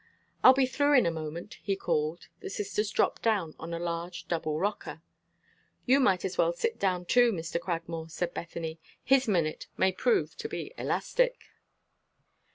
"I'll be through in a moment," he called. The sisters dropped down in a large double rocker. "You might as well sit down, too, Mr. Cragmore," said Bethany. "His minute may prove to be elastic."